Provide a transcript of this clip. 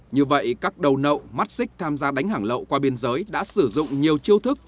như vậy các đầu nậu mắt xích tham gia đánh hàng lậu qua biên giới đã sử dụng nhiều chiêu thức